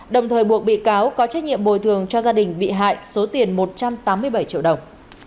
đồng thời buộc bị cáo có trách nhiệm bồi thường cho gia đình bị hại số tiền một trăm tám mươi bảy triệu đồng